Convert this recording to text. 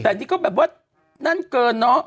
แต่นี่ก็แบบว่านั่นเกินเนาะ